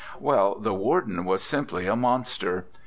Well, the warden was simply a monster.